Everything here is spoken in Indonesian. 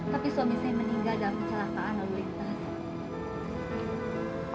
tapi suami saya meninggal dalam kecelakaan lalu lintas